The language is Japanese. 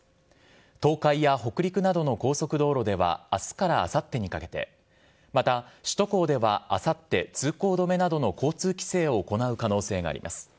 東海や北陸などの高速道路ではあすからあさってにかけて、また、首都高ではあさって、通行止めなどの交通規制を行う可能性があります。